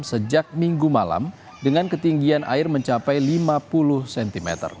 sejak minggu malam dengan ketinggian air mencapai lima puluh cm